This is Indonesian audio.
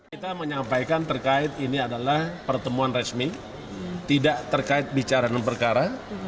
kita menyampaikan terkait ini adalah pertemuan resmi tidak terkait bicara enam perkara